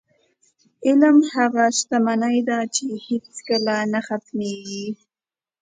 علم هغه شتمني ده، چې هېڅکله نه ختمېږي.